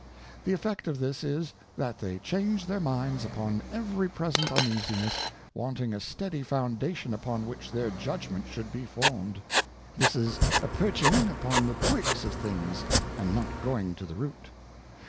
The effect of this is, that they change their Minds upon every present uneasiness, wanting a steady Foundation upon which their Judgment should be formed. This is a pearching upon the Twigs of things, and not going to the Root.